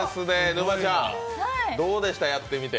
沼ちゃん、どうでしたやってみて？